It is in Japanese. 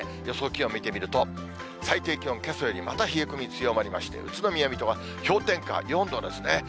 予想気温見てみると、最低気温、けさよりまた冷え込み強まりまして、宇都宮、水戸は氷点下４度ですね。